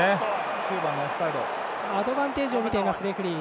アドバンテージをみています、レフリー。